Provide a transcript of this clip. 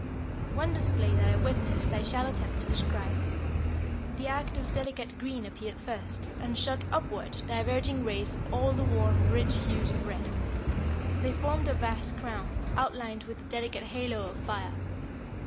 One display that I witnessed I shall attempt to describe. The arc of delicate green appeared first, and shot upward diverging rays of all the warm, rich hues of red. They formed a vast crown, outlined with a delicate halo of fire.